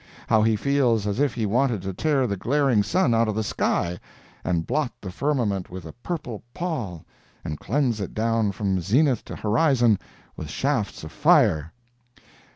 how he feels as if he wanted to tear the glaring sun out of the sky, and blot the firmament with a purple pall, and cleanse it down from zenith to horizon with shafts of fire!